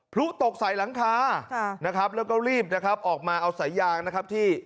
พลุตกใส่หลังคานะครับแล้วก็รีบนะครับออกมาเอาสายยางนะครับที่